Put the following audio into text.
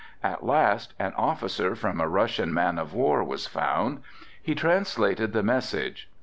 At last an officer from a Russian man of war was found. He translated the message.